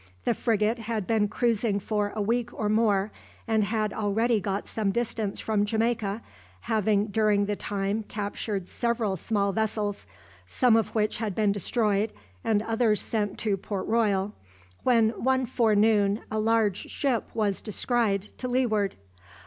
The frigate had been cruising for a week or more, and had already got some distance from Jamaica, having during the time captured several small vessels, some of which had been destroyed and others sent to Port Royal, when one forenoon a large ship was descried to leeward.